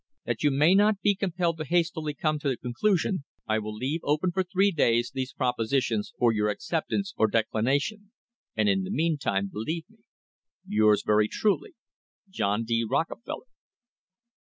"That you may not be compelled to hastily come to conclusion, I will leave open for three days these propositions for your acceptance or declination, and in the mean time believe me, Yours very truly, " John D. Rockefeller."